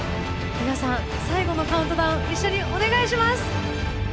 皆さん最後のカウントダウン一緒にお願いします！